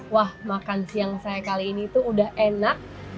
wah makan siang saya kali ini tuh udah enak